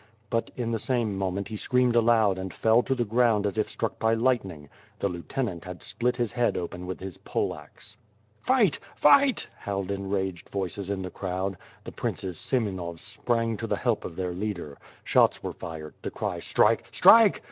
But in the same moment, he screamed aloud and fell to the ground as if struck by lierhtning. The lieutenant had split his head open with his poleaxe. "Fight! Fight!" howled enraged voices in the crowd. The 124 ^/^^ P'f^E AXD (^WORD. prince's semenovs sprang to the help of their leader. Shots were fired; the cry "Strike! Strike!"